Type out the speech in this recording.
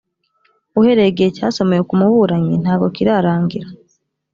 uhereye igihe cyasomewe ku muburanyi ntago kirarangira.